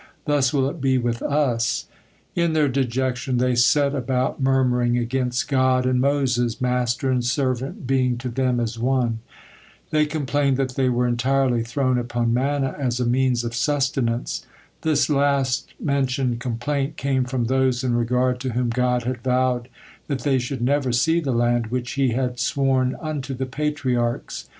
Thus will it be with us!" In their dejection they set about murmuring against God and Moses, "master and servant being to them as one." They complained that they were entirely thrown upon manna as a means of sustenance. This last mentioned complaint came from those in regard to whom God had vowed that they should never see the land which He had sworn unto the Patriarchs.